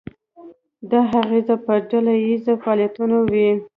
دا اغیزه په ډله ییزو فعالیتونو وي.